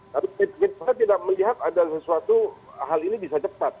tapi kita tidak melihat ada sesuatu hal ini bisa cepat